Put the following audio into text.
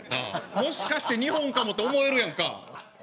もしかして日本かもって思えるやんか。